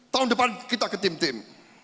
tahun depan kita ke tim tim